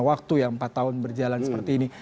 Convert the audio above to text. dan dalam waktu yang empat tahun berjalan seperti ini